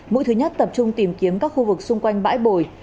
mũi thứ nhất tập trung tìm kiếm các khu vực xung quanh bãi bồi